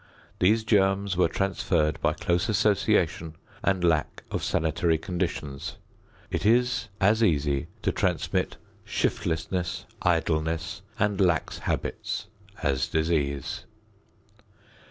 These germs were transferred by close association and lack of sanitary conditions. It is as easy to transmit shiftlessness, idleness and lax habits as disease.